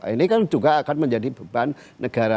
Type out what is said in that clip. ini kan juga akan menjadi beban negara